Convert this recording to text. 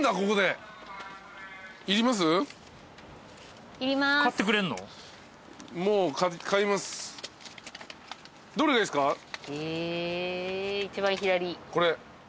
これ？